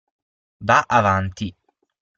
Va' avanti.